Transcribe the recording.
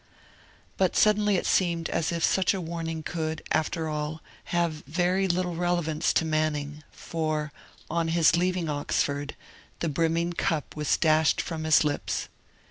But suddenly it seemed as if such a warning could, after all, have very little relevance to Manning; for, on his leaving Oxford, the brimming cup was dashed from his lips.